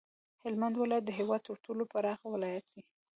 هلمند ولایت د هیواد تر ټولو پراخ ولایت دی